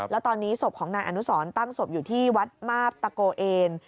แล้วตอนนี้ศพของนายอนุสรตั้งศพอยู่ที่วัดมาบตะโกเอน